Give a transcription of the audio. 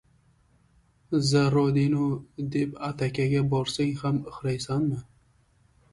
Za Rodinu, deb atakaga borsang ham ixraysanmi?